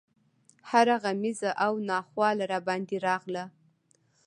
هره غمیزه او ناخواله راباندې راغله.